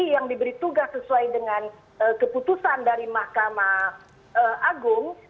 yang diberi tugas sesuai dengan keputusan dari mahkamah agung